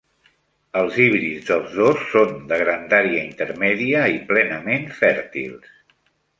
Els híbrids dels dos són de grandària intermèdia i plenament fèrtils.